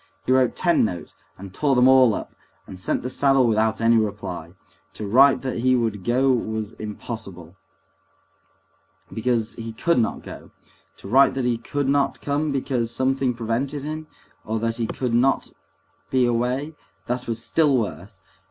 He wrote ten notes, and tore them all up, and sent the saddle without any reply. To write that he would go was impossible, because he could not go; to write that he could not come because something prevented him, or that he would be away, that was still worse.